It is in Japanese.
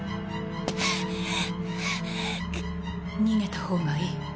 逃げた方がいい。